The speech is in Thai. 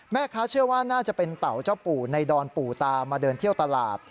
แม่ค้าเชื่อว่าน่าจะเป็นเต่าเจ้าปู่ในดอนปู่ตามาเดินเที่ยวตลาด